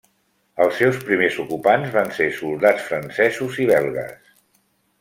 Els seus primers ocupants van ser soldats francesos i belgues.